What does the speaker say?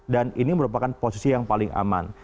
dan ini merupakan posisi yang paling aman